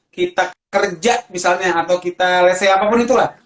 kita kerja misalnya atau kita lesen apapun itulah